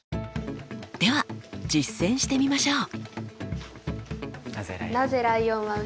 では実践してみましょう！